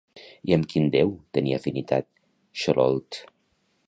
I amb quin déu tenia afinitat, Xolotl?